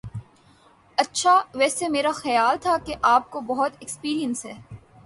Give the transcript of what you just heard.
اچھا ویسے میرا خیال تھا کہ آپ کو بہت ایکسپیرینس ہے